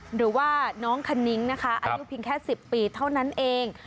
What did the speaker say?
หรือว่าน้องคณิ้งนะคะอายุเพียงแค่๑๐ปีเท่านั้นเอง